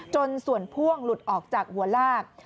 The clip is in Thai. จนส่วนพ่วงหลุดออกจากหัวลาก